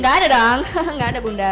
gak ada dong nggak ada bunda